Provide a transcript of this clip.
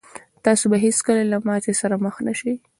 تاسو به هېڅکله له ماتې سره مخ نه شئ.